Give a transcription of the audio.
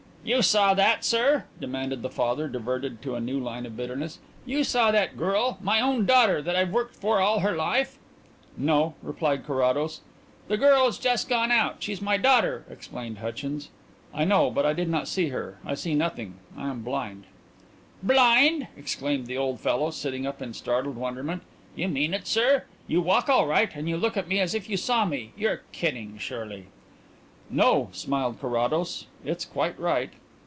"You saw that, sir?" demanded the father, diverted to a new line of bitterness. "You saw that girl my own daughter, that I've worked for all her life?" "No," replied Carrados. "The girl that's just gone out she's my daughter," explained Hutchins. "I know, but I did not see her. I see nothing. I am blind." "Blind!" exclaimed the old fellow, sitting up in startled wonderment. "You mean it, sir? You walk all right and you look at me as if you saw me. You're kidding surely." "No," smiled Carrados. "It's quite right."